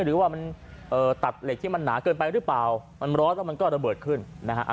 หรือว่ามันตัดเหล็กที่มันหนาเกินไปหรือเปล่ามันร้อนแล้วมันก็ระเบิดขึ้นนะฮะ